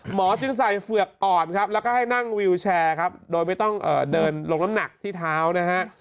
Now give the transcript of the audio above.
จึงใส่เฝือกอ่อนครับแล้วก็ให้นั่งวิวแชร์ครับโดยไม่ต้องเดินลงน้ำหนักที่เท้านะฮะ